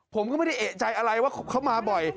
ผมก็ไม่ได้เอกใจอะไรว่าเขามาบ่อย